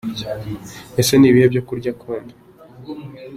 Ese ni ibihe byo kurya akunda?.